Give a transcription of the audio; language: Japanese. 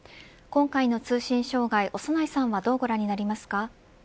今回の通信障害長内さんはどうご覧になりますか。